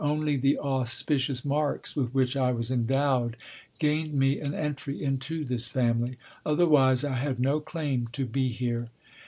Only the auspicious marks with which I was endowed gained me an entry into this family otherwise, I had no claim to be here.